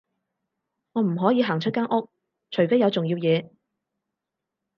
我唔可以行出間屋，除非有重要嘢